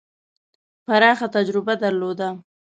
پراخه تجربه درلوده.